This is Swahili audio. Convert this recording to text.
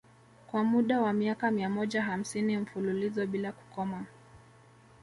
Kwa muda wa miaka mia moja hamsini mfululizo bila kukoma